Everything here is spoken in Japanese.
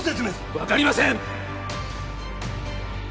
分かりません！